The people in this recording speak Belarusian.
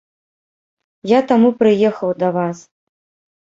Я таму прыехаў да вас.